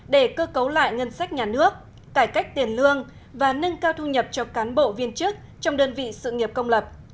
để cơ cấu lại ngân sách nhà nước cải cách tiền lương và nâng cao thu nhập cho cán bộ viên chức trong đơn vị sự nghiệp công lập